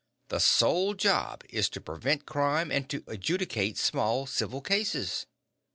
The sole job is to prevent crime and to adjudicate small civil cases.